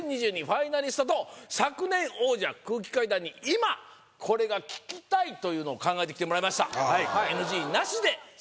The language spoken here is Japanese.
ファイナリストと昨年王者空気階段に今これが聞きたいというのを考えてきてもらいました